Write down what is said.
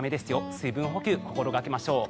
水分補給心掛けましょう。